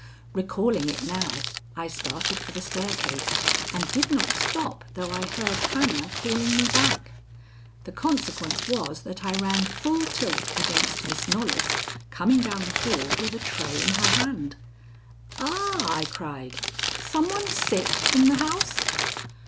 Recalling it now, I started for the staircase, and did not stop though I heard Hannah calling me back. The consequence was that I ran full tilt against Miss Knollys coming down the hall with a tray in her hand. "Ah," I cried; "some one sick in the house?"